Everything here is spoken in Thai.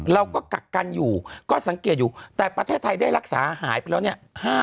กักกันอยู่ก็สังเกตอยู่แต่ประเทศไทยได้รักษาหายไปแล้วเนี่ย